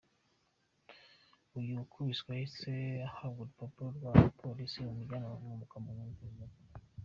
Uyu wakubiswe yahise ahabwa urupapuro na Polisi rumujyana kwa muganga ku ibitaro bya Kanombe.